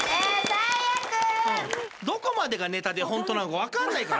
どこまでがネタでホントなのか分かんないから。